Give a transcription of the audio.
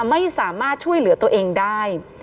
ไม่สามารถช่วยเหลือตัวเองได้